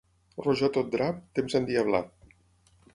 Rojor a tot drap, temps endiablat.